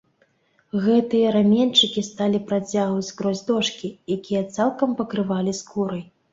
Гэтыя раменьчыкі сталі працягваць скрозь дошкі, якія цалкам пакрывалі скурай.